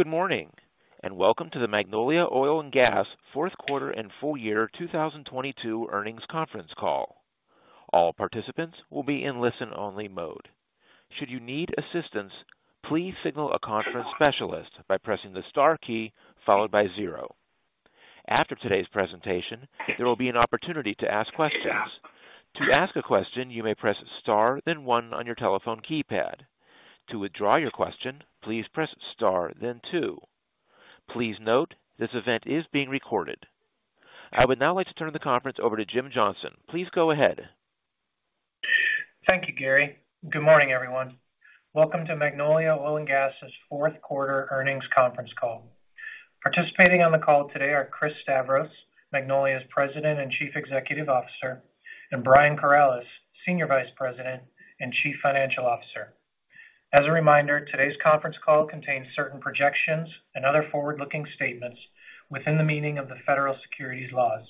Good morning, and welcome to the Magnolia Oil & Gas fourth quarter and full year 2022 earnings conference call. All participants will be in listen-only mode. Should you need assistance, please signal a conference specialist by pressing the star key followed by zero. After today's presentation, there will be an opportunity to ask questions. To ask a question, you may press star then one on your telephone keypad. To withdraw your question, please press star then two. Please note, this event is being recorded. I would now like to turn the conference over to Jim Johnson. Please go ahead. Thank you, Gary. Good morning, everyone. Welcome to Magnolia Oil & Gas' fourth quarter earnings conference call. Participating on the call today are Chris Stavros, Magnolia's President and Chief Executive Officer, and Brian Corales, Senior Vice President and Chief Financial Officer. As a reminder, today's conference call contains certain projections and other forward-looking statements within the meaning of the federal securities laws.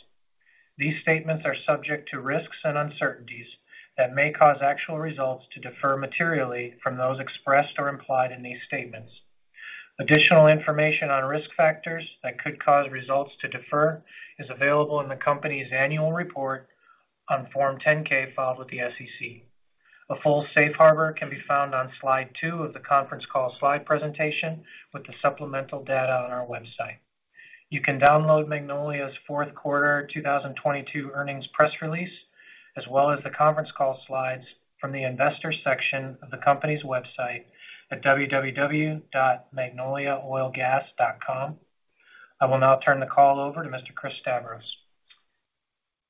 These statements are subject to risks and uncertainties that may cause actual results to defer materially from those expressed or implied in these statements. Additional information on risk factors that could cause results to defer is available in the company's annual report on Form 10-K filed with the SEC. A full safe harbor can be found on slide two of the conference call slide presentation with the supplemental data on our website. You can download Magnolia's fourth quarter 2022 earnings press release, as well as the conference call slides from the investor section of the company's website at www.magnoliaoilgas.com. I will now turn the call over to Mr. Chris Stavros.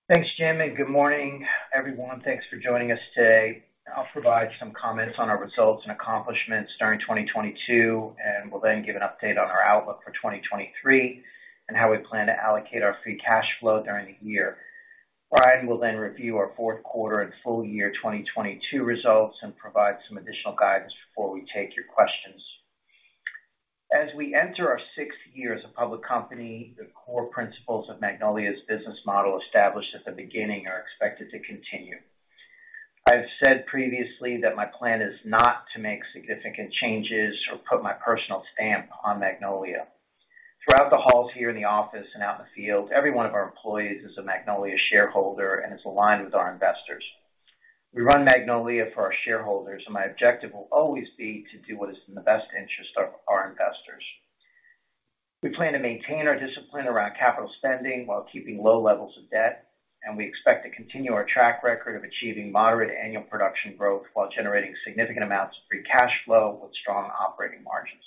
Thanks, Jim. Good morning, everyone. Thanks for joining us today. I'll provide some comments on our results and accomplishments during 2022. We'll then give an update on our outlook for 2023 and how we plan to allocate our free cash flow during the year. Brian will then review our fourth quarter and full year 2022 results and provide some additional guidance before we take your questions. As we enter our sixth year as a public company, the core principles of Magnolia's business model established at the beginning are expected to continue. I've said previously that my plan is not to make significant changes or put my personal stamp on Magnolia. Throughout the halls here in the office and out in the field, every one of our employees is a Magnolia shareholder and is aligned with our investors. We run Magnolia for our shareholders, and my objective will always be to do what is in the best interest of our investors. We plan to maintain our discipline around capital spending while keeping low levels of debt, and we expect to continue our track record of achieving moderate annual production growth while generating significant amounts of free cash flow with strong operating margins.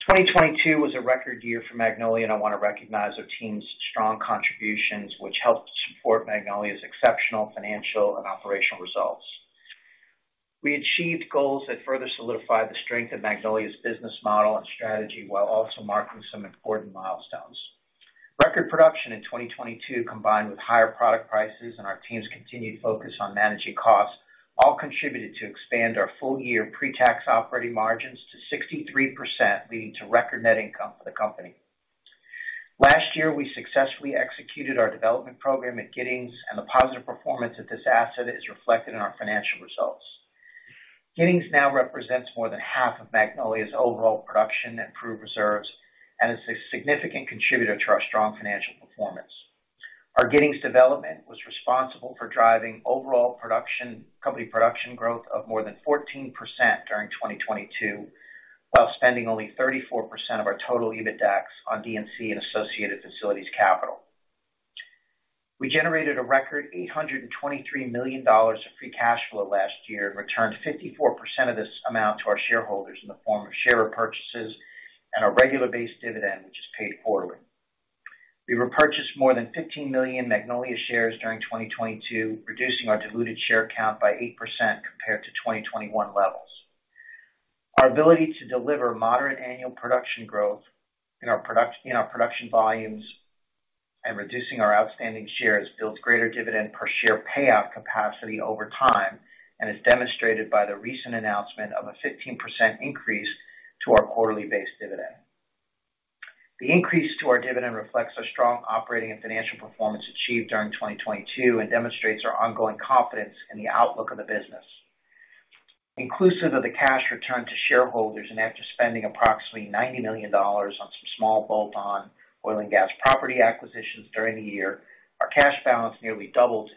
2022 was a record year for Magnolia, and I want to recognize our team's strong contributions, which helped support Magnolia's exceptional financial and operational results. We achieved goals that further solidified the strength of Magnolia's business model and strategy while also marking some important milestones. Record production in 2022, combined with higher product prices and our team's continued focus on managing costs, all contributed to expand our full-year pre-tax operating margins to 63%, leading to record net income for the company. Last year, we successfully executed our development program at Giddings, and the positive performance of this asset is reflected in our financial results. Giddings now represents more than half of Magnolia's overall production and proved reserves and is a significant contributor to our strong financial performance. Our Giddings development was responsible for driving company production growth of more than 14% during 2022, while spending only 34% of our total EBITDAX on D&C and associated facilities capital. We generated a record $823 million of free cash flow last year and returned 54% of this amount to our shareholders in the form of share repurchases and our regular base dividend, which is paid quarterly. We repurchased more than 15 million Magnolia shares during 2022, reducing our diluted share count by 8% compared to 2021 levels. Our ability to deliver moderate annual production growth in our production volumes and reducing our outstanding shares builds greater dividend per share payout capacity over time and is demonstrated by the recent announcement of a 15% increase to our quarterly base dividend. The increase to our dividend reflects our strong operating and financial performance achieved during 2022 and demonstrates our ongoing confidence in the outlook of the business. Inclusive of the cash returned to shareholders and after spending approximately $90 million on some small bolt-on oil and gas property acquisitions during the year, our cash balance nearly doubled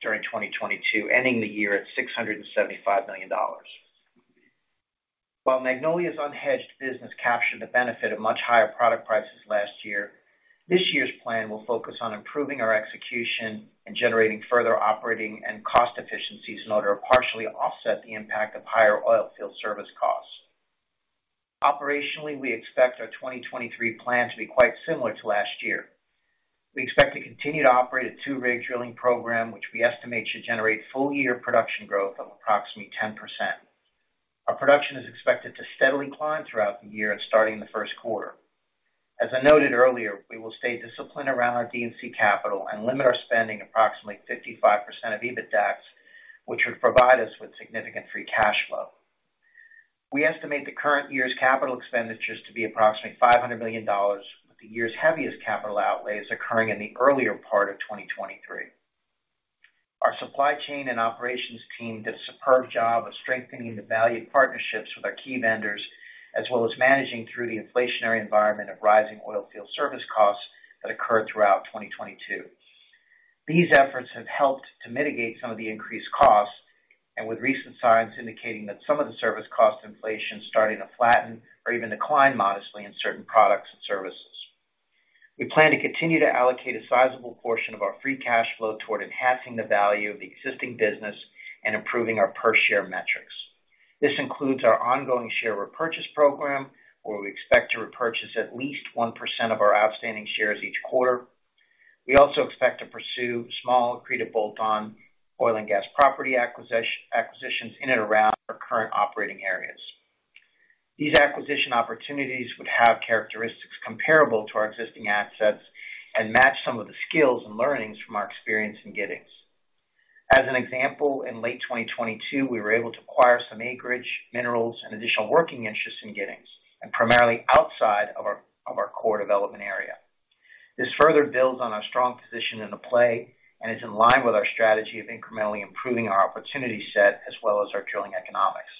during 2022, ending the year at $675 million. While Magnolia's unhedged business captured the benefit of much higher product prices last year, this year's plan will focus on improving our execution and generating further operating and cost efficiencies in order to partially offset the impact of higher oilfield service costs. Operationally, we expect our 2023 plan to be quite similar to last year. We expect to continue to operate a two-rig drilling program, which we estimate should generate full-year production growth of approximately 10%. Our production is expected to steadily climb throughout the year and starting in the first quarter. As I noted earlier, we will stay disciplined around our D&C capital and limit our spending approximately 55% of EBITDAX, which would provide us with significant free cash flow. We estimate the current year's CapEx to be approximately $500 million, with the year's heaviest capital outlays occurring in the earlier part of 2023. Supply chain and operations team did a superb job of strengthening the valued partnerships with our key vendors, as well as managing through the inflationary environment of rising oil field service costs that occurred throughout 2022. These efforts have helped to mitigate some of the increased costs and with recent signs indicating that some of the service cost inflation is starting to flatten or even decline modestly in certain products and services. We plan to continue to allocate a sizable portion of our free cash flow toward enhancing the value of the existing business and improving our per share metrics. This includes our ongoing share repurchase program, where we expect to repurchase at least 1% of our outstanding shares each quarter. We also expect to pursue small, accretive bolt-on oil and gas property acquisitions in and around our current operating areas. These acquisition opportunities would have characteristics comparable to our existing assets and match some of the skills and learnings from our experience in Giddings. As an example, in late 2022, we were able to acquire some acreage, minerals, and additional working interests in Giddings, and primarily outside of our core development area. This further builds on our strong position in the play and is in line with our strategy of incrementally improving our opportunity set as well as our drilling economics.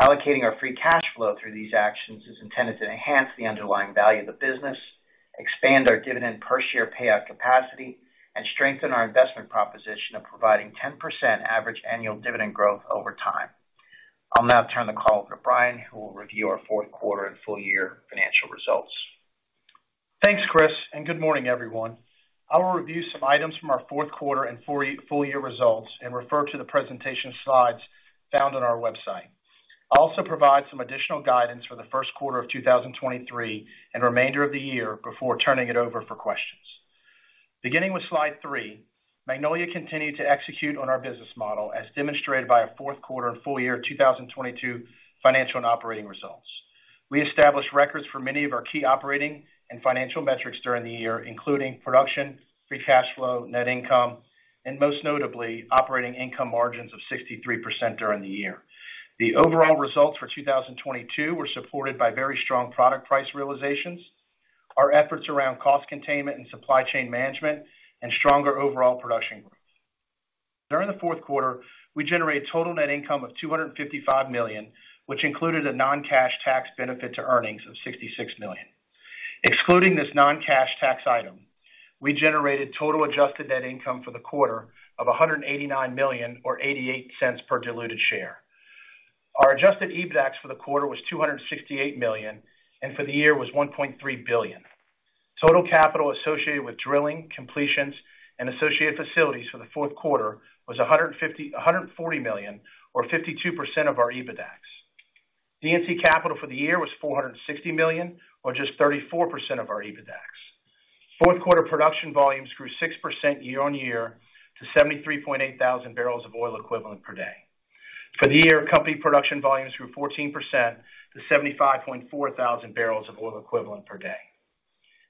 Allocating our free cash flow through these actions is intended to enhance the underlying value of the business, expand our dividend per share payout capacity, and strengthen our investment proposition of providing 10% average annual dividend growth over time. I'll now turn the call over to Brian, who will review our fourth quarter and full year financial results. Thanks, Chris. Good morning, everyone. I will review some items from our fourth quarter and full year results and refer to the presentation slides found on our website. I'll also provide some additional guidance for the first quarter of 2023 and remainder of the year before turning it over for questions. Beginning with slide 3, Magnolia continued to execute on our business model, as demonstrated by our fourth quarter and full year 2022 financial and operating results. We established records for many of our key operating and financial metrics during the year, including production, free cash flow, net income, and most notably, operating income margins of 63% during the year. The overall results for 2022 were supported by very strong product price realizations, our efforts around cost containment and supply chain management, and stronger overall production growth. During the fourth quarter, we generated total net income of $255 million, which included a non-cash tax benefit to earnings of $66 million. Excluding this non-cash tax item, we generated total adjusted net income for the quarter of $189 million or $0.88 per diluted share. Our Adjusted EBITDAX for the quarter was $268 million and for the year was $1.3 billion. Total capital associated with drilling, completions, and associated facilities for the fourth quarter was $140 million or 52% of our EBITDAX. D&C capital for the year was $460 million or just 34% of our EBITDAX. Fourth quarter production volumes grew 6% year-on-year to 73,800 bbl of oil equivalent per day. For the year, company production volumes grew 14% to 75,400 bbl of oil equivalent per day.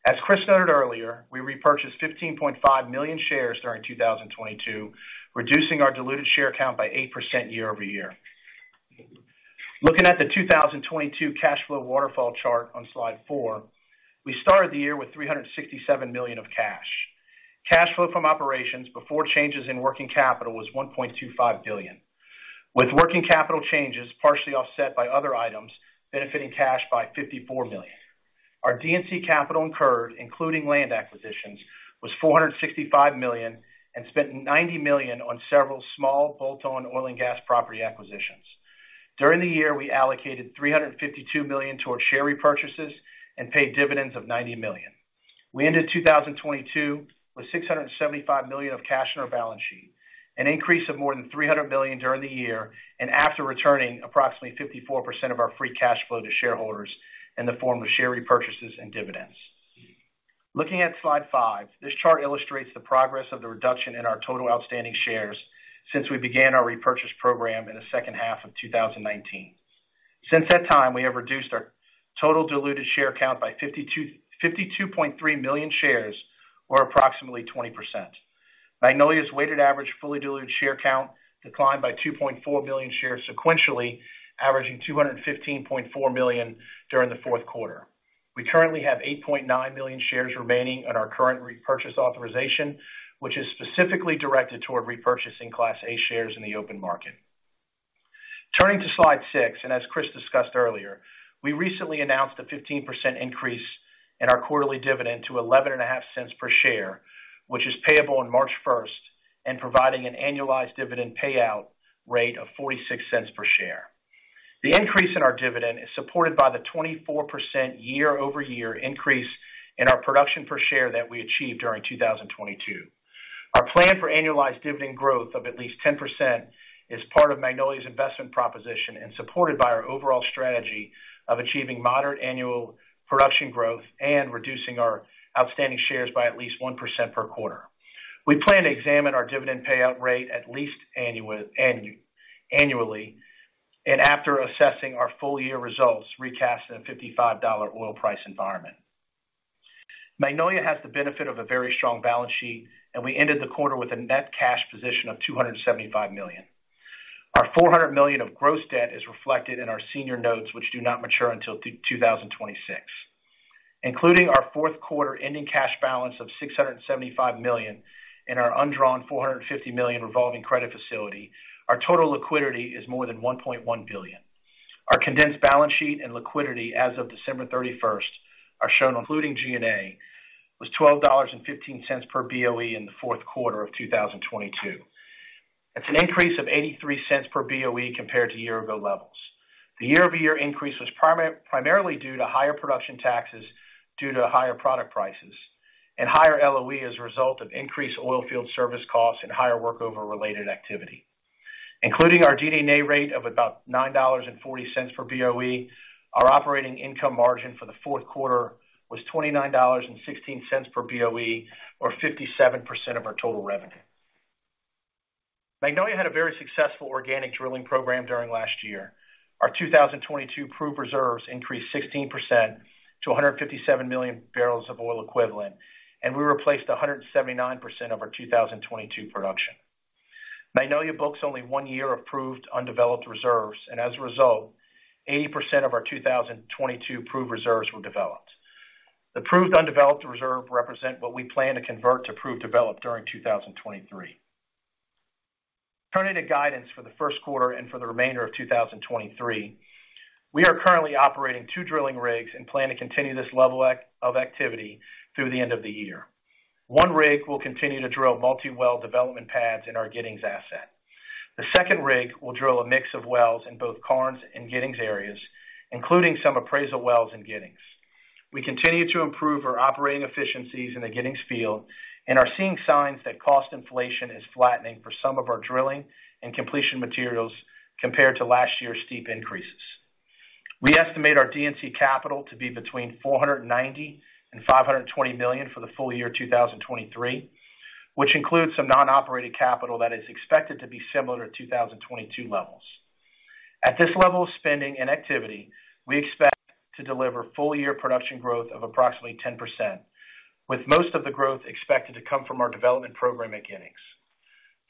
As Chris noted earlier, we repurchased 15.5 million shares during 2022, reducing our diluted share count by 8% year-over-year. Looking at the 2022 cash flow waterfall chart on slide 4, we started the year with $367 million of cash. Cash flow from operations before changes in working capital was $1.25 billion, with working capital changes partially offset by other items benefiting cash by $54 million. Our D&C capital incurred, including land acquisitions, was $465 million and spent $90 million on several small bolt-on oil and gas property acquisitions. During the year, we allocated $352 million towards share repurchases and paid dividends of $90 million. We ended 2022 with $675 million of cash in our balance sheet, an increase of more than $300 million during the year, after returning approximately 54% of our free cash flow to shareholders in the form of share repurchases and dividends. Looking at slide 5, this chart illustrates the progress of the reduction in our total outstanding shares since we began our repurchase program in the second half of 2019. Since that time, we have reduced our total diluted share count by 52.3 million shares, or approximately 20%. Magnolia's weighted average fully diluted share count declined by 2.4 million shares sequentially, averaging 215.4 million during the fourth quarter. We currently have 8.9 million shares remaining on our current repurchase authorization, which is specifically directed toward repurchasing Class A shares in the open market. As Chris discussed earlier, we recently announced a 15% increase in our quarterly dividend to $0.115 per share, which is payable on March 1st, and providing an annualized dividend payout rate of $0.46 per share. The increase in our dividend is supported by the 24% year-over-year increase in our production per share that we achieved during 2022. Our plan for annualized dividend growth of at least 10% is part of Magnolia's investment proposition and supported by our overall strategy of achieving moderate annual production growth and reducing our outstanding shares by at least 1% per quarter. We plan to examine our dividend payout rate at least annually, after assessing our full year results, recast in a $55 oil price environment. Magnolia has the benefit of a very strong balance sheet. We ended the quarter with a net cash position of $275 million. Our $400 million of gross debt is reflected in our senior notes, which do not mature until 2026. Including our fourth quarter ending cash balance of $675 million and our undrawn $450 million revolving credit facility, our total liquidity is more than $1.1 billion. Our condensed balance sheet and liquidity as of December 31st are shown including G&A, was $12.15 per BOE in the fourth quarter of 2022. It's an increase of $0.83 per BOE compared to year-ago levels. The year-over-year increase was primarily due to higher production taxes due to higher product prices and higher LOE as a result of increased oilfield service costs and higher workover-related activity. Including our G&A rate of about $9.40 per BOE, our operating income margin for the fourth quarter was $29.16 per BOE, or 57% of our total revenue. Magnolia had a very successful organic drilling program during last year. Our 2022 proved reserves increased 16% to 157 million bbl of oil equivalent, and we replaced 179% of our 2022 production. Magnolia books only one year of proved undeveloped reserve. As a result, 80% of our 2022 proved reserves were developed. The proved undeveloped reserve represent what we plan to convert to proved developed during 2023. Turning to guidance for the first quarter and for the remainder of 2023, we are currently operating two drilling rigs and plan to continue this level of activity through the end of the year. One rig will continue to drill multi-well development pads in our Giddings asset. The second rig will drill a mix of wells in both Karnes and Giddings areas, including some appraisal wells in Giddings. We continue to improve our operating efficiencies in the Giddings Field and are seeing signs that cost inflation is flattening for some of our drilling and completion materials compared to last year's steep increases. We estimate our D&C capital to be between $490 million and $520 million for the full year 2023, which includes some non-operated capital that is expected to be similar to 2022 levels. At this level of spending and activity, we expect to deliver full-year production growth of approximately 10%, with most of the growth expected to come from our development program at Giddings.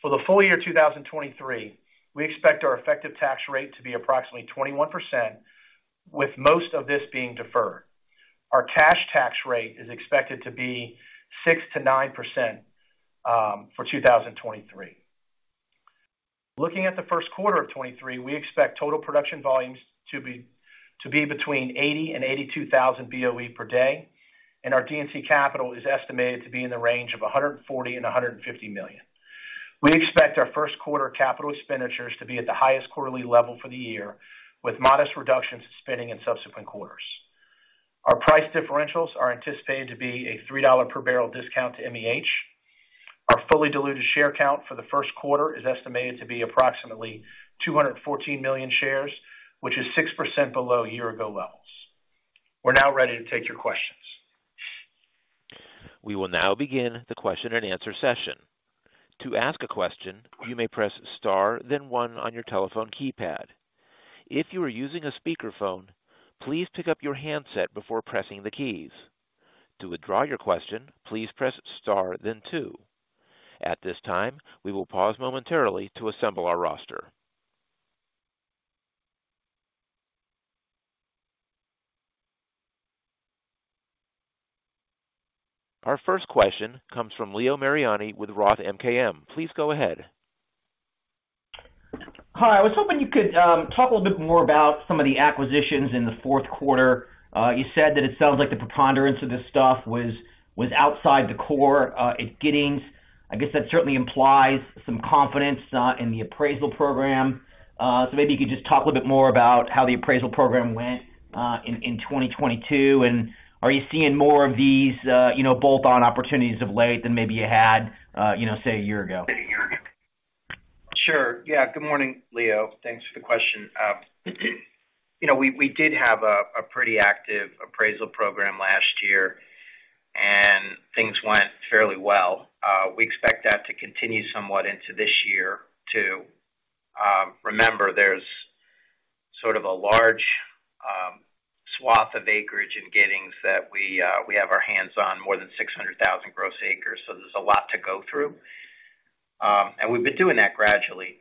For the full year 2023, we expect our effective tax rate to be approximately 21%, with most of this being deferred. Our cash tax rate is expected to be 6%-9% for 2023. Looking at the first quarter of 2023, we expect total production volumes to be between 80,000-82,000 BOE per day. Our D&C capital is estimated to be in the range of $140 million-$150 million. We expect our first quarter capital expenditures to be at the highest quarterly level for the year, with modest reductions in spending in subsequent quarters. Our price differentials are anticipated to be a $3 per barrel discount to MEH. Our fully diluted share count for the first quarter is estimated to be approximately 214 million shares, which is 6% below year-ago levels. We're now ready to take your questions. We will now begin the question and answer session. To ask a question, you may press star then one on your telephone keypad. If you are using a speakerphone, please pick up your handset before pressing the keys. To withdraw your question, please press star then two. At this time, we will pause momentarily to assemble our roster. Our first question comes from Leo Mariani with Roth MKM. Please go ahead. Hi. I was hoping you could talk a little bit more about some of the acquisitions in the fourth quarter. You said that it sounds like the preponderance of this stuff was outside the core at Giddings. I guess that certainly implies some confidence in the appraisal program. So maybe you could just talk a little bit more about how the appraisal program went in 2022. Are you seeing more of these, you know, bolt-on opportunities of late than maybe you had, you know, say, a year ago? Sure. Yeah. Good morning, Leo. Thanks for the question. you know, we did have a pretty active appraisal program last year, and things went fairly well. We expect that to continue somewhat into this year, too. remember, there's sort of a large, swath of acreage in Giddings that we have our hands on, more than 600,000 gross acres, so there's a lot to go through. We've been doing that gradually.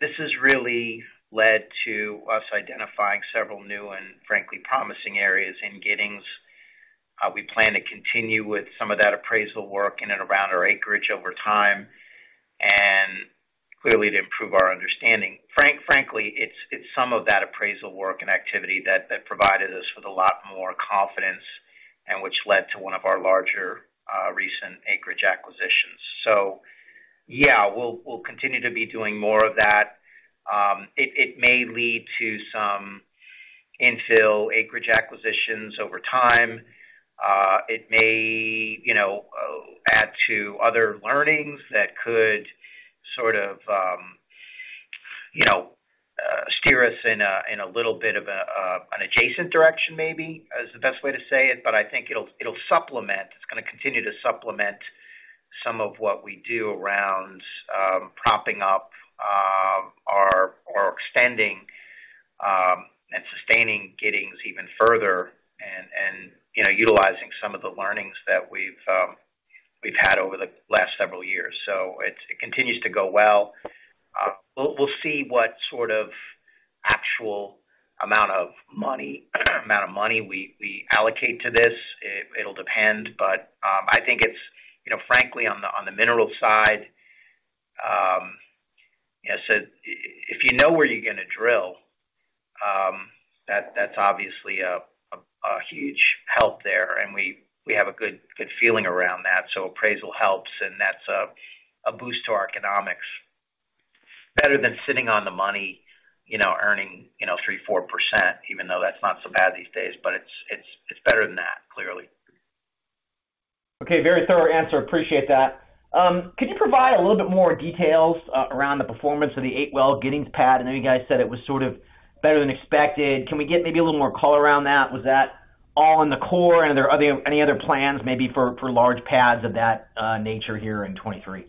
This has really led to us identifying several new and frankly promising areas in Giddings. We plan to continue with some of that appraisal work in and around our acreage over time. Clearly to improve our understanding. frankly, it's some of that appraisal work and activity that provided us with a lot more confidence and which led to one of our larger recent acreage acquisitions. Yeah, we'll continue to be doing more of that. It, it may lead to some infill acreage acquisitions over time. It may, you know, add to other learnings that could sort of, you know, steer us in a little bit of an adjacent direction maybe, is the best way to say it. I think it'll supplement. It's gonna continue to supplement some of what we do around propping up or extending and sustaining Giddings even further. Utilizing some of the learnings that we've had over the last several years. It continues to go well. We'll see what sort of actual amount of money we allocate to this. It'll depend, but, I think it's, you know, frankly, on the, on the mineral side, you know, so if you know where you're gonna drill, that's obviously a huge help there. We have a good feeling around that, so appraisal helps and that's a boost to our economics. Better than sitting on the money, you know, earning, you know, 3%, 4%, even though that's not so bad these days, but it's better than that, clearly. Okay. Very thorough answer. Appreciate that. Could you provide a little bit more details around the performance of the 8-well Giddings pad? I know you guys said it was sort of better than expected. Can we get maybe a little more color around that? Was that all in the core? Are there any other plans maybe for large pads of that nature here in 2023?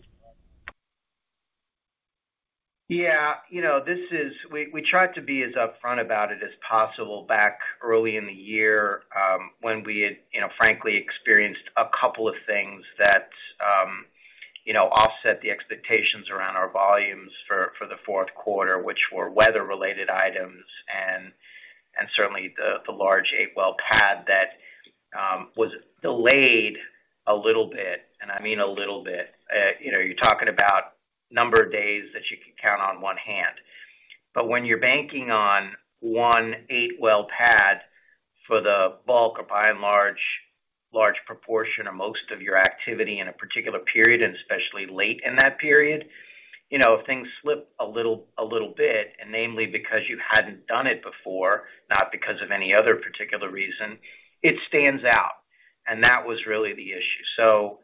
Yeah. You know, this is, we tried to be as upfront about it as possible back early in the year, when we had, you know, frankly, experienced a couple of things that, you know, offset the expectations around our volumes for the fourth quarter, which were weather-related items and certainly the large 8-well pad that was delayed a little bit, and I mean a little bit. You know, you're talking about number of days that you could count on one hand. When you're banking on 1 8-well pad for the bulk or by and large proportion of most of your activity in a particular period, and especially late in that period, you know, if things slip a little bit, and namely because you hadn't done it before, not because of any other particular reason, it stands out. That was really the issue.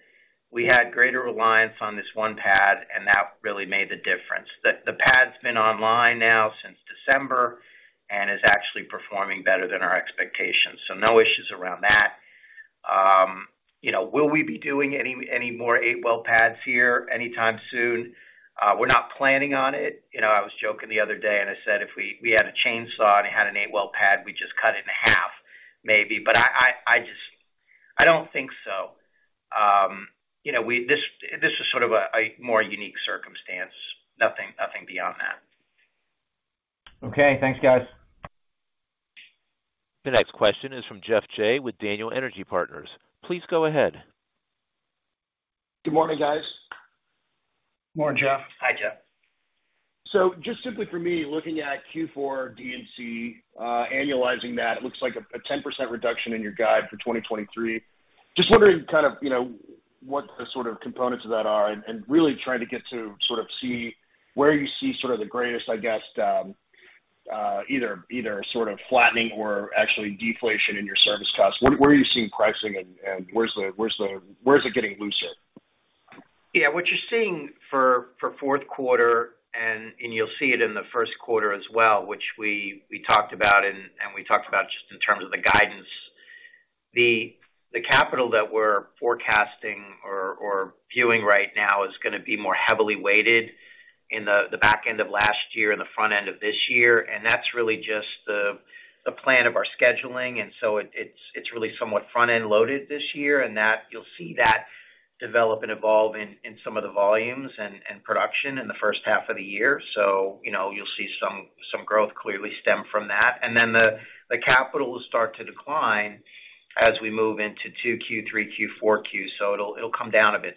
We had greater reliance on this one pad, and that really made the difference. The pad's been online now since December and is actually performing better than our expectations. No issues around that. You know, will we be doing any more 8-well pads here anytime soon? We's not planning on it. You know, I was joking the other day, and I said if we had a chainsaw and it had an 8-well pad, we'd just cut it in half maybe. I just... I don't think so. You know, this is sort of a more unique circumstance. Nothing beyond that. Okay. Thanks, guys. The next question is from Geoff Jay with Daniel Energy Partners. Please go ahead. Good morning, guys. Morning, Jeff. Hi, Geoff. Just simply for me, looking at Q4 D&C, annualizing that, it looks like a 10% reduction in your guide for 2023. Just wondering kind of, you know, what the sort of components of that are and really trying to get to sort of see where you see sort of the greatest, I guess, either sort of flattening or actually deflation in your service costs. Where are you seeing pricing and where's it getting looser? Yeah. What you're seeing for 4th quarter, and you'll see it in the 1st quarter as well, which we talked about and we talked about just in terms of the guidance, the capital that we're forecasting or viewing right now is going to be more heavily weighted in the back end of last year and the front end of this year, and that's really just the plan of our scheduling. It's really somewhat front-end loaded this year, and that you'll see that develop and evolve in some of the volumes and production in the first half of the year. You know, you'll see some growth clearly stem from that. The capital will start to decline as we move into Q3, Q4. It'll come down a bit.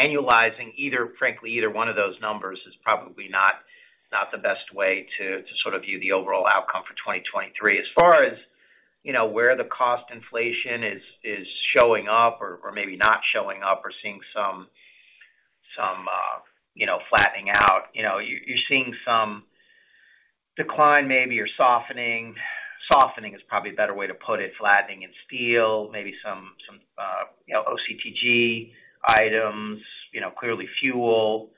Annualizing either, frankly, either one of those numbers is probably not the best way to sort of view the overall outcome for 2023. As far as, you know, where the cost inflation is showing up or maybe not showing up or seeing some, you know, flattening out. You know, you're seeing some decline maybe or softening. Softening is probably a better way to put it. Flattening in steel, maybe some, you know, OCTG items, you know, clearly fuel,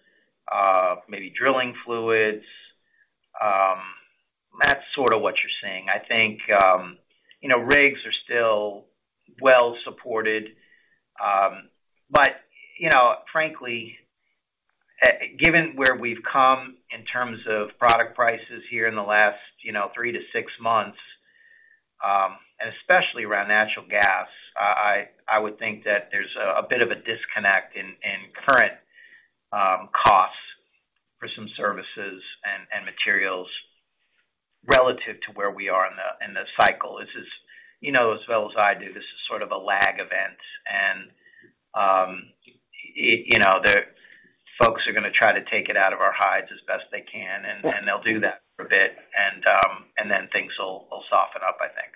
maybe drilling fluids. That's sort of what you're seeing. I think, you know, rigs are still well supported. You know, frankly, given where we've come in terms of product prices here in the last, you know, three to six months, and especially around natural gas, I would think that there's a bit of a disconnect in current costs for some services and materials relative to where we are in the cycle. This is, you know as well as I do, this is sort of a lag event and, it, you know, the folks are gonna try to take it out of our hides as best they can, and they'll do that for a bit and then things will soften up, I think.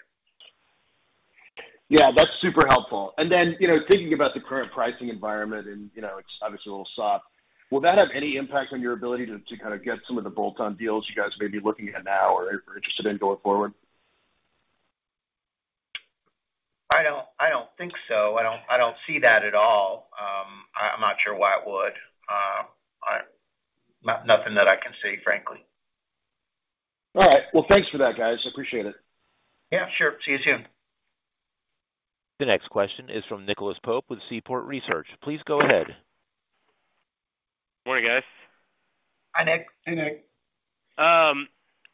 Yeah, that's super helpful. Then, you know, thinking about the current pricing environment and, you know, it's obviously a little soft, will that have any impact on your ability to kind of get some of the bolt-on deals you guys may be looking at now or are interested in going forward? I don't think so. I don't see that at all. I'm not sure why it would. Nothing that I can see, frankly. All right. Well, thanks for that, guys. I appreciate it. Yeah, sure. See you soon. The next question is from Nicholas Pope with Seaport Research. Please go ahead. Morning, guys. Hi, Nick. Hey, Nick. I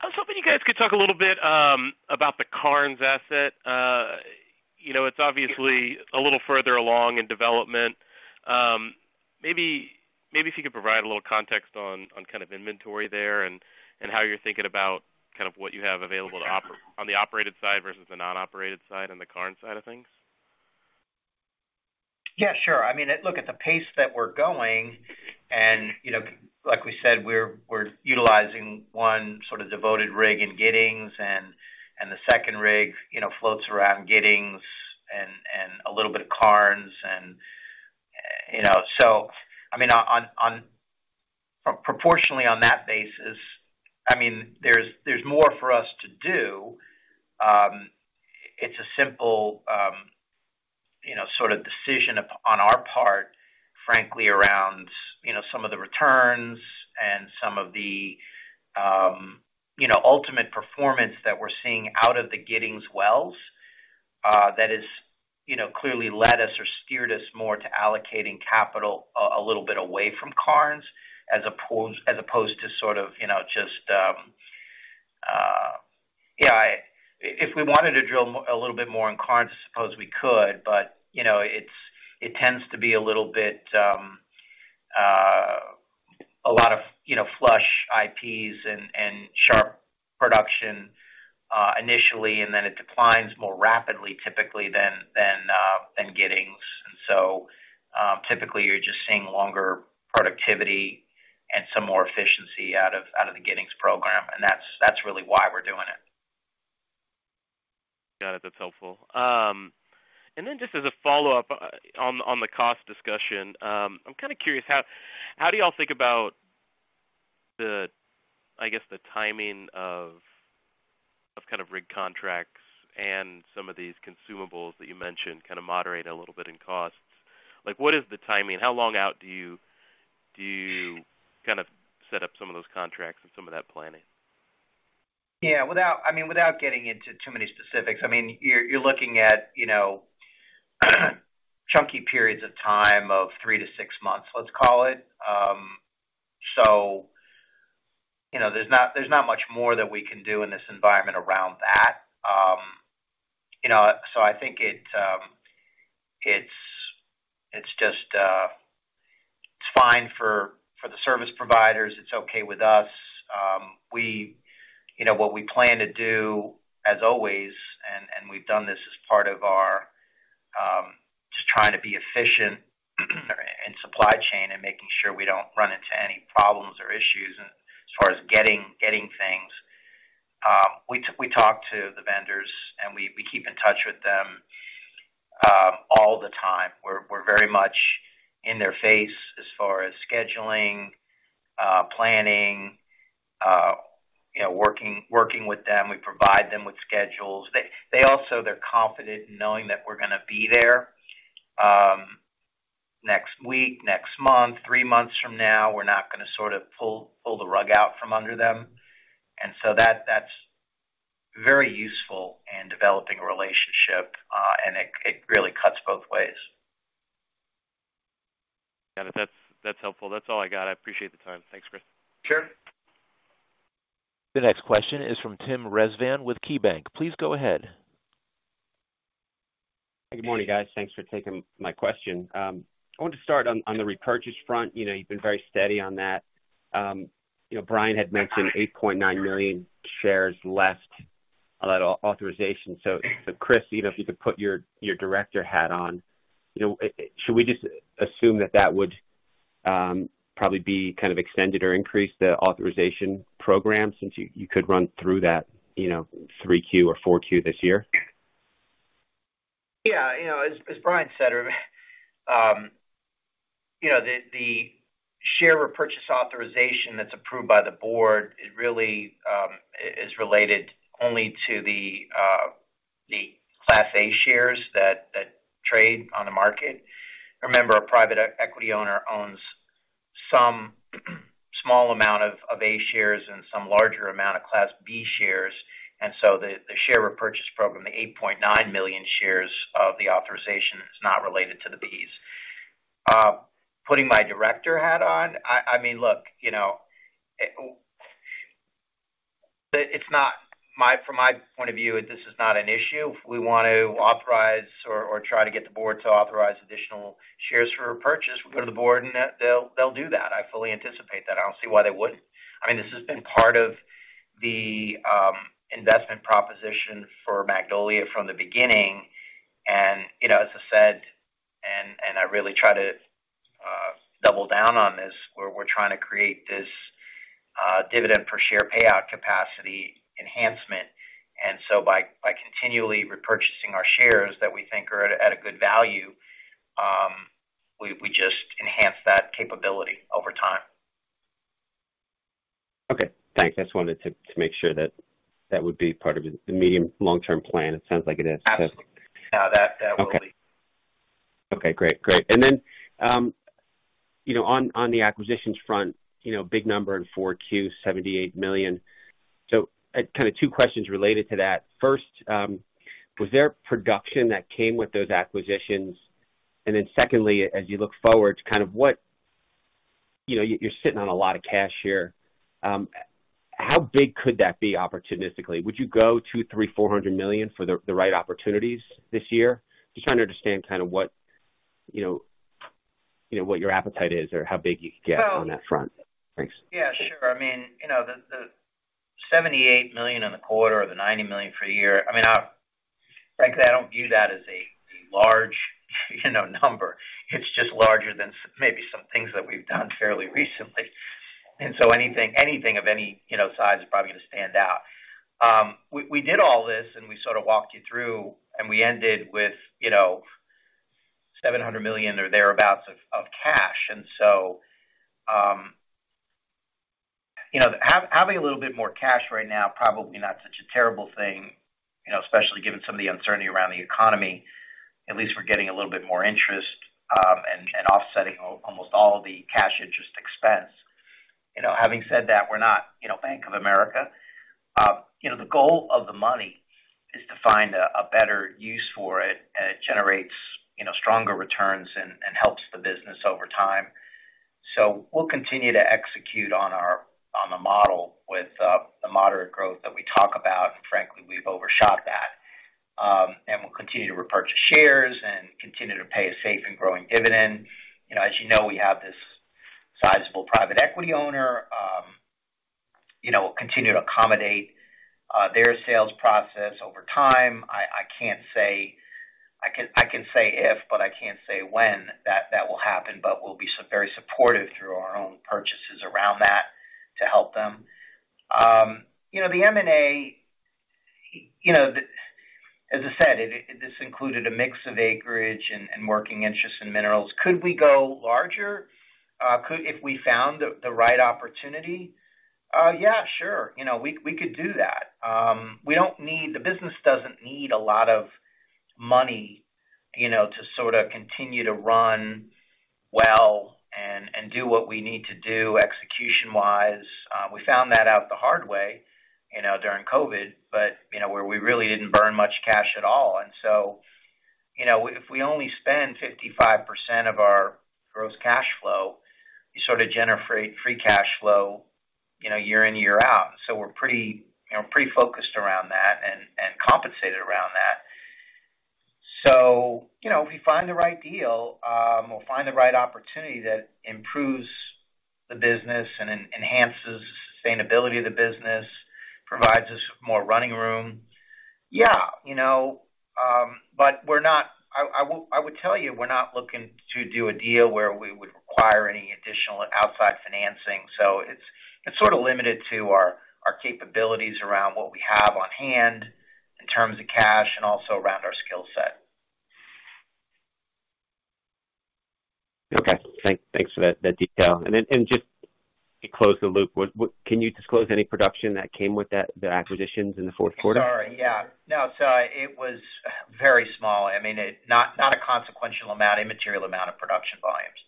was hoping you guys could talk a little bit about the Karnes asset. You know, it's obviously a little further along in development. Maybe, maybe if you could provide a little context on kind of inventory there and how you're thinking about kind of what you have available to on the operated side versus the non-operated side on the Karnes side of things? Yeah, sure. I mean, look at the pace that we're going, you know, like we said, we're utilizing one sort of devoted rig in Giddings, and the second rig, you know, floats around Giddings and a little bit of Karnes. You know, so I mean, proportionally on that basis, I mean, there's more for us to do. It's a simple, you know, sort of decision on our part, frankly, around, you know, some of the returns and some of the, you know, ultimate performance that we're seeing out of the Giddings wells, that has, you know, clearly led us or steered us more to allocating capital a little bit away from Karnes as opposed to sort of, you know, just. Yeah, if we wanted to drill a little bit more in Karnes, I suppose we could, but, you know, it tends to be a little bit, a lot of, you know, flush IPs and sharp production initially, and then it declines more rapidly typically than Giddings. Typically you're just seeing longer productivity and some more efficiency out of the Giddings program, and that's really why we're doing it. Got it. That's helpful. Just as a follow-up on the cost discussion, I'm kinda curious, how do y'all think about the, I guess, the timing of kind of rig contracts and some of these consumables that you mentioned kinda moderate a little bit in costs? Like, what is the timing? How long out do you kind of set up some of those contracts and some of that planning? Yeah. I mean, without getting into too many specifics, I mean, you're looking at, you know, chunky periods of time of 3-6 months, let's call it. You know, there's not, there's not much more that we can do in this environment around that. You know, I think it's, it's just, it's fine for the service providers. It's okay with us. We, you know, what we plan to do, as always, and we've done this as part of our, just trying to be efficient in supply chain and making sure we don't run into any problems or issues as far as getting things. We talk to the vendors, and we keep in touch with them all the time. We're very much in their face as far as scheduling, planning, you know, working with them. We provide them with schedules. They also they're confident knowing that we're gonna be there next week, next month, three months from now. We're not gonna sort of pull the rug out from under them. That's very useful in developing a relationship. It really cuts both ways. Got it. That's helpful. That's all I got. I appreciate the time. Thanks, Chris. Sure. The next question is from Tim Rezvan with KeyBanc. Please go ahead. Good morning, guys. Thanks for taking my question. I want to start on the repurchase front. You know, you've been very steady on that. You know, Brian had mentioned 8.9 million shares left on that authorization. Chris, you know, if you could put your director hat on, you know, should we just assume that that would probably be kind of extended or increased, the authorization program, since you could run through that, you know, 3Q or 4Q this year? Yeah. You know, as Brian said, you know, the share repurchase authorization that's approved by the board really is related only to the Class A shares that trade on the market. Remember, a private equity owner owns some small amount of A shares and some larger amount of Class B shares. The share repurchase program, the 8.9 million shares of the authorization is not related to the Bs. Putting my director hat on, I mean, look, you know, from my point of view, this is not an issue. If we want to authorize or try to get the board to authorize additional shares for repurchase, we go to the board, and they'll do that. I fully anticipate that. I don't see why they wouldn't. I mean, this has been part of the investment proposition for Magnolia from the beginning. You know, as I said, and I really try to double down on this, where we're trying to create this dividend per share payout capacity enhancement. By continually repurchasing our shares that we think are at a good value, we just enhance that capability over time. Okay. Thanks. I just wanted to make sure that that would be part of the medium, long-term plan. It sounds like it is. Absolutely. No, that will be. Okay. Okay, great. Great. You know, on the acquisitions front, you know, big number in four Q, $78 million. Kind of two questions related to that. First, Was there production that came with those acquisitions? Secondly, as you look forward to, You know, you're sitting on a lot of cash here, how big could that be opportunistically? Would you go $200 million, $300 million, $400 million for the right opportunities this year? Just trying to understand kinda what, you know, what your appetite is or how big you could get on that front. Thanks. Yeah, sure. I mean, you know, the $78 million in the quarter or the $90 million for the year, I mean, I frankly, I don't view that as a large, you know, number. It's just larger than maybe some things that we've done fairly recently. Anything, anything of any, you know, size is probably gonna stand out. We did all this, and we sort of walked you through, and we ended with, you know, $700 million or thereabouts of cash. You know, having a little bit more cash right now, probably not such a terrible thing, you know, especially given some of the uncertainty around the economy. At least we're getting a little bit more interest, and offsetting almost all the cash interest expense. You know, having said that, we're not, you know, Bank of America. You know, the goal of the money is to find a better use for it, and it generates, you know, stronger returns and helps the business over time. We'll continue to execute on the model with the moderate growth that we talk about. Frankly, we've overshot that. We'll continue to repurchase shares and continue to pay a safe and growing dividend. You know, as you know, we have this sizable private equity owner, you know, continue to accommodate their sales process over time. I can't say. I can say if, but I can't say when that will happen, but we'll be very supportive through our own purchases around that to help them. You know, the M&A, you know, the... As I said, this included a mix of acreage and working interest in minerals. Could we go larger if we found the right opportunity? Yeah, sure. You know, we could do that. The business doesn't need a lot of money, you know, to sort of continue to run well and do what we need to do execution-wise. We found that out the hard way, you know, during COVID, but, you know, where we really didn't burn much cash at all. If we only spend 55% of our gross cash flow, you sort of generate free cash flow, you know, year in, year out. We're pretty, you know, pretty focused around that and compensated around that. You know, if we find the right deal, or find the right opportunity that improves the business and enhances the sustainability of the business, provides us more running room. Yeah, you know, I would tell you, we're not looking to do a deal where we would require any additional outside financing. It's, it's sort of limited to our capabilities around what we have on hand in terms of cash and also around our skill set. Okay. Thanks for that detail. Just to close the loop, what can you disclose any production that came with the acquisitions in the fourth quarter? Sorry, yeah. No, so it was very small. I mean, Not a consequential amount, immaterial amount of production volumes.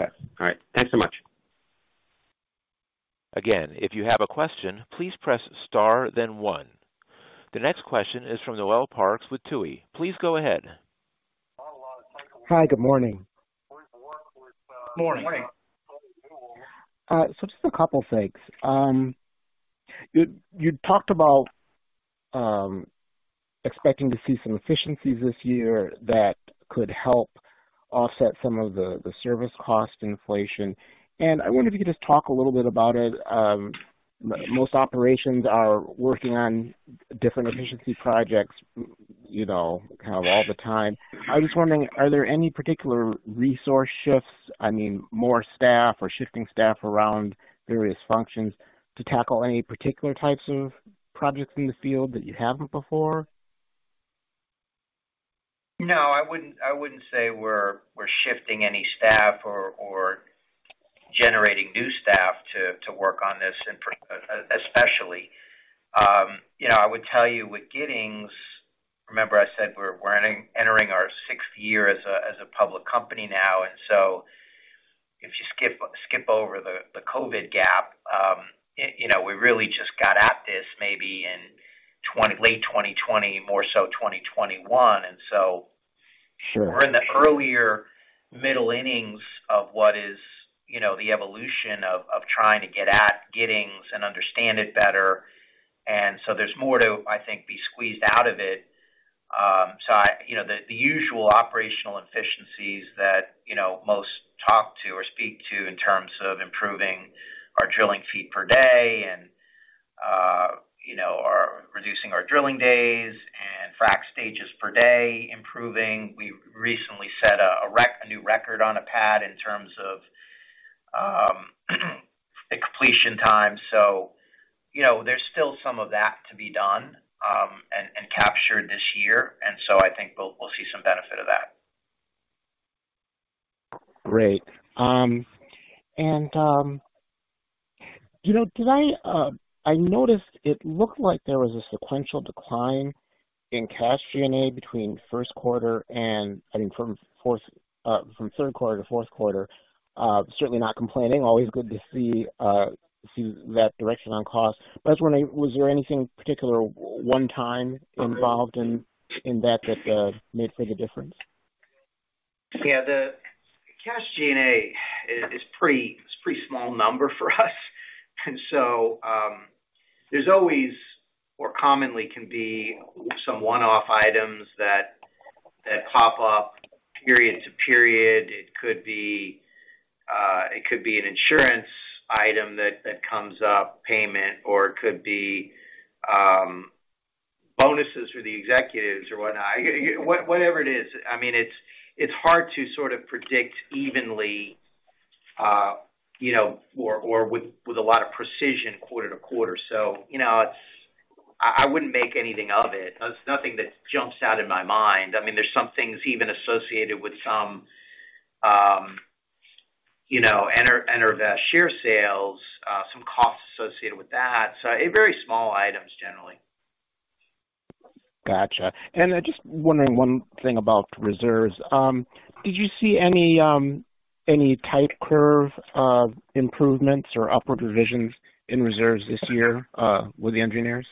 Okay. All right. Thanks so much. Again, if you have a question, please press star then 1. The next question is from Noel Parks with Tuohy. Please go ahead. Hi, good morning. Morning. Just a couple of things. You, you talked about expecting to see some efficiencies this year that could help offset some of the service cost inflation, and I wonder if you could just talk a little bit about it. Most operations are working on different efficiency projects, you know, kind of all the time. I was just wondering, are there any particular resource shifts, I mean, more staff or shifting staff around various functions to tackle any particular types of projects in the field that you haven't before? No, I wouldn't say we're shifting any staff or generating new staff to work on this in part, especially. you know, I would tell you with Giddings, remember I said we're entering our sixth year as a public company now, and so if you skip over the COVID gap, you know, we really just got at this maybe in late 2020, more so 2021. Sure. We're in the earlier middle innings of what is, you know, the evolution of trying to get at Giddings and understand it better. There's more to, I think, be squeezed out of it. You know, the usual operational efficiencies that, you know, most talk to or speak to in terms of improving our drilling feet per day and, you know, reducing our drilling days and frack stages per day, improving. We recently set a new record on a pad in terms of, the completion time. You know, there's still some of that to be done, and captured this year. I think we'll see some benefit of that. Great. You know, I noticed it looked like there was a sequential decline in cash G&A from third quarter to fourth quarter, certainly not complaining. Always good to see that direction on cost. I was wondering, was there anything particular one time involved in that made for the difference? The cash G&A is pretty, it's a pretty small number for us. There's always or commonly can be some one-off items that pop up period to period. It could be, it could be an insurance item that comes up, payment, or it could be bonuses for the executives or whatnot. Whatever it is, I mean, it's hard to sort of predict evenly, you know, or with a lot of precision quarter to quarter. You know, I wouldn't make anything of it. There's nothing that jumps out in my mind. I mean, there's some things even associated with some, you know, EnerVest share sales, some costs associated with that. Very small items generally. Gotcha. Just wondering one thing about reserves. Did you see any type curve improvements or upward revisions in reserves this year, with the engineers?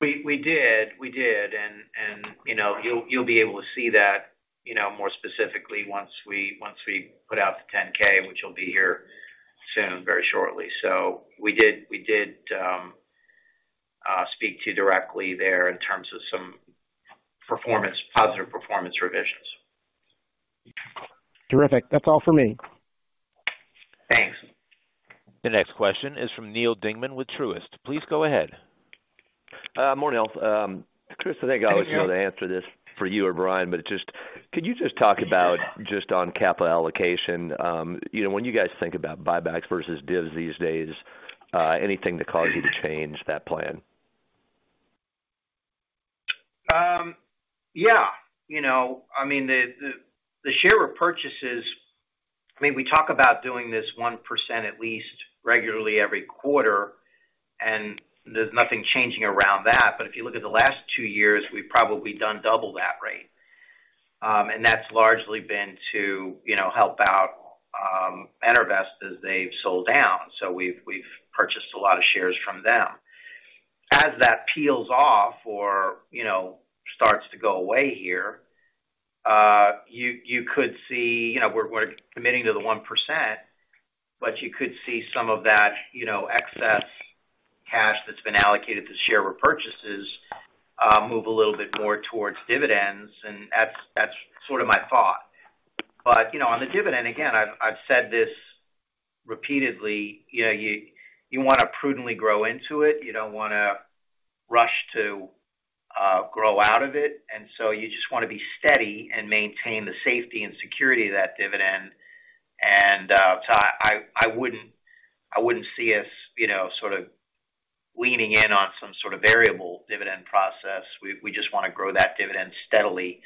We did. We did. You know, you'll be able to see that, you know, more specifically once we put out the 10-K, which will be here soon, very shortly. We did speak to directly there in terms of some performance, positive performance revisions. Terrific. That's all for me. Thanks. The next question is from Neal Dingman with Truist. Please go ahead. Morning, all. Chris, I think I don't know the answer to this for you or Brian, but just could you just talk about just on capital allocation, you know, when you guys think about buybacks versus divs these days, anything that caused you to change that plan? Yeah. You know, I mean, the, the share repurchases, I mean, we talk about doing this 1% at least regularly every quarter, there's nothing changing around that. If you look at the last two years, we've probably done double that rate. And that's largely been to, you know, help out EnerVest as they've sold down. We've purchased a lot of shares from them. As that peels off or, you know, starts to go away here, you could see, you know, we're committing to the 1%, but you could see some of that, you know, excess cash that's been allocated to share repurchases, move a little bit more towards dividends. That's sort of my thought. You know, on the dividend, again, I've said this repeatedly, you know, you wanna prudently grow into it. You don't wanna rush to grow out of it. You just wanna be steady and maintain the safety and security of that dividend. I wouldn't see us, you know, sort of leaning in on some sort of variable dividend process. We just wanna grow that dividend steadily,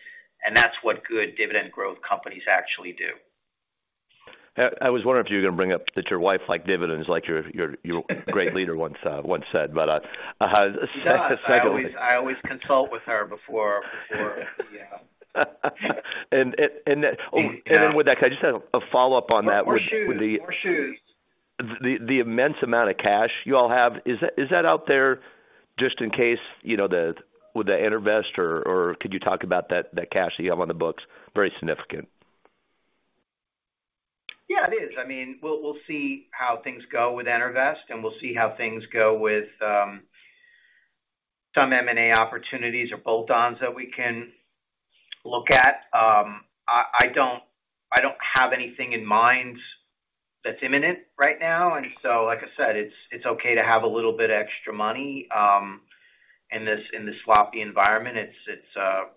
and that's what good dividend growth companies actually do. I was wondering if you were gonna bring up that your great leader once said. She does. I always consult with her before. Yeah. And, and, and then- Yeah. With that, can I just have a follow-up on that? More shoes. More shoes. The immense amount of cash you all have, is that out there just in case, you know, with the EnerVest or could you talk about that cash that you have on the books? Very significant. Yeah, it is. I mean, we'll see how things go with EnerVest, and we'll see how things go with some M&A opportunities or bolt-ons that we can look at. I don't have anything in mind that's imminent right now. Like I said, it's okay to have a little bit of extra money in this, in this sloppy environment. It's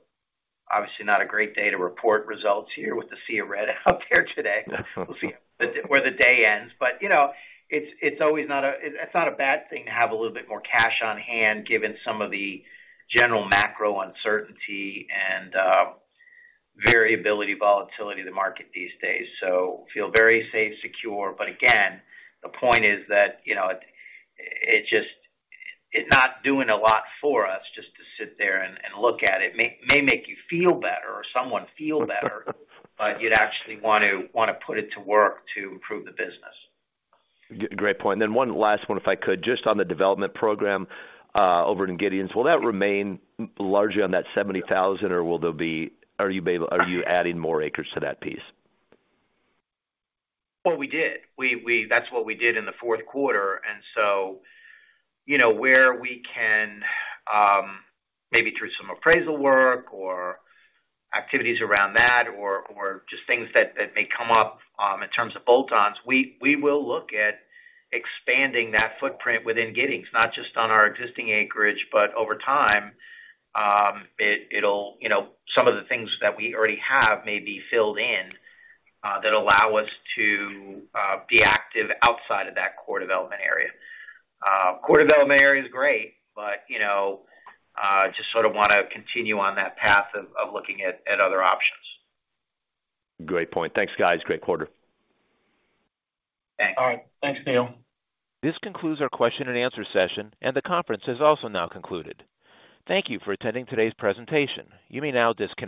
obviously not a great day to report results here with the sea of red out there today. We'll see where the day ends. You know, it's not a bad thing to have a little bit more cash on hand given some of the general macro uncertainty and variability, volatility of the market these days. Feel very safe, secure. Again, the point is that, you know, it just... It's not doing a lot for us just to sit there and look at it. May make you feel better or someone feel better. You'd actually want to put it to work to improve the business. Great point. One last one, if I could. Just on the development program, over in Giddings. Will that remain largely on that 70,000 or are you adding more acres to that piece? Well, we did. We That's what we did in the fourth quarter. You know, where we can, maybe through some appraisal work or activities around that or just things that may come up, in terms of bolt-ons, we will look at expanding that footprint within Giddings, not just on our existing acreage, but over time, it'll, you know, some of the things that we already have may be filled in, that allow us to be active outside of that core development area. Core development area is great, but, you know, just sort of wanna continue on that path of looking at other options. Great point. Thanks, guys. Great quarter. Thanks. All right. Thanks, Neal. This concludes our question and answer session, and the conference has also now concluded. Thank you for attending today's presentation. You may now disconnect.